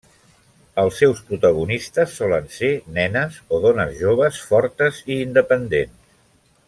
Els seus protagonistes solen ser nenes o dones joves fortes i independents.